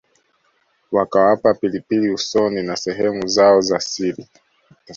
wakawapaka pilipili usoni na sehemu zao za siri